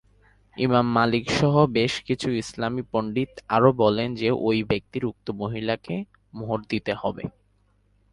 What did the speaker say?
ইমাম মালিক সহ বেশ কিছু ইসলামী পণ্ডিত আরও বলেন যে ঐ ব্যক্তির উক্ত মহিলাকে মোহর দিতে হবে।